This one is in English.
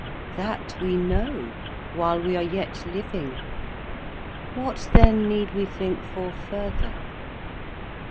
That we know, while we are yet living. What then need we think for further?